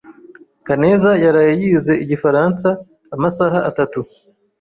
Kaneza yaraye yize igifaransa amasaha atatu.